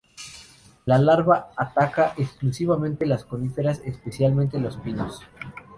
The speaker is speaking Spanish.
La larva ataca exclusivamente las coníferas, especialmente los pinos.